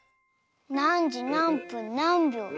なんじなんぷんなんびょう？